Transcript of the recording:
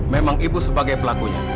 memang ibu sebagai pelakunya